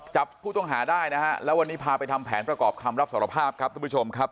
จับผู้ต้องหาได้นะฮะแล้ววันนี้พาไปทำแผนประกอบคำรับสารภาพครับทุกผู้ชมครับ